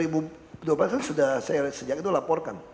iya setelah dua ribu dua belas kan sudah saya laporkan